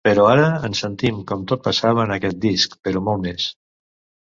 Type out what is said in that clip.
Però ara ens sentim com tot passava en aquest disc, però molt més.